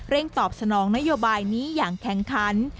เร่งตอบสนองนโยบายนี้อย่างแข่งคั้น